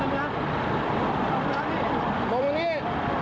ลงมานี้